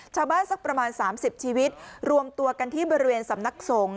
สักประมาณ๓๐ชีวิตรวมตัวกันที่บริเวณสำนักสงฆ์